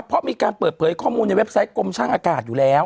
เพราะมีการเปิดเผยข้อมูลในเว็บไซต์กรมช่างอากาศอยู่แล้ว